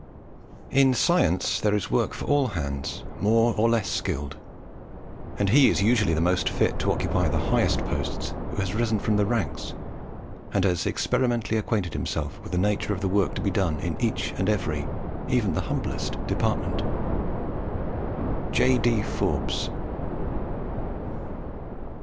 "In science there is work for all hands, more or less skilled; and he is usually the most fit to occupy the higher posts who has risen from the ranks, and has experimentally acquainted himself with the nature of the work to be done in each and every, even the humblest department." J. D. Forbes.